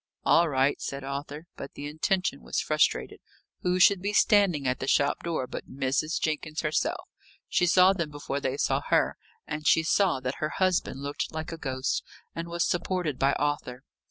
"All right," said Arthur. But the intention was frustrated. Who should be standing at the shop door but Mrs. Jenkins herself. She saw them before they saw her, and she saw that her husband looked like a ghost, and was supported by Arthur.